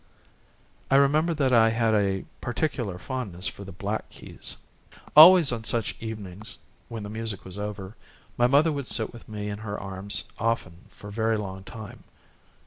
I remember that I had a particular fondness for the black keys. Always on such evenings, when the music was over, my mother would sit with me in her arms, often for a very long time.